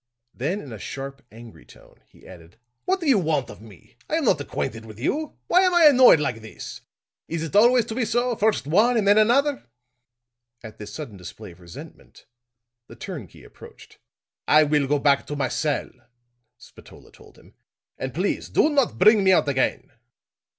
Then in a sharp, angry tone, he added: "What do you want of me? I am not acquainted with you. Why am I annoyed like this? Is it always to be so first one and then another?" At this sudden display of resentment, the turnkey approached. "I will go back to my cell," Spatola told him, "and please do not bring me out again.